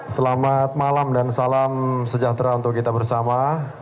selamat malam dan salam sejahtera untuk kita bersama